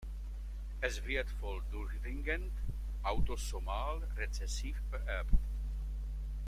Es wird voll durchdringend, autosomal rezessiv vererbt.